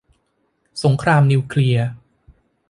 สงครามนิวเคลียร์